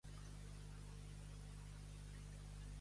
A l'almàssera i al molí, el dinar en el si.